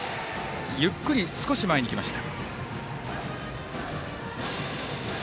ゆっくり少し前に来ました。